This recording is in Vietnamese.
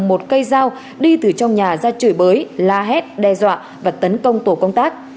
một cây dao đi từ trong nhà ra chửi bới la hét đe dọa và tấn công tổ công tác